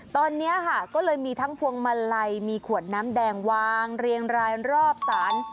ตอนนี้ค่ะก็เลยมีทั้งพวงมาลัยมีขวดน้ำแดงวางเรียงรายรอบศาล